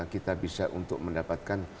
kita bisa untuk mendapatkan